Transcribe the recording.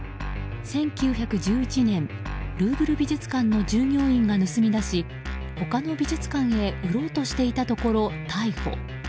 １９１１年、ルーブル美術館の従業員が盗み出し他の美術館へ売ろうとしていたところを逮捕。